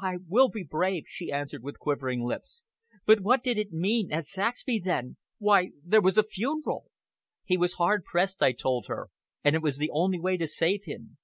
"I will be brave," she answered with quivering lips; "but what did it mean at Saxby then? Why, there was a funeral!" "He was hard pressed," I told her, "and it was the only way to save him.